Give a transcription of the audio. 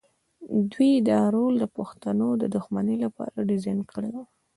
دوی دا رول د پښتنو د دښمنۍ لپاره ډیزاین کړی و.